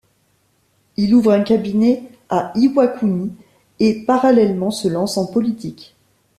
Il ouvre un cabinet à Iwakuni, et parallèlement se lance en politique.